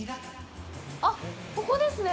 あっ、ここですね。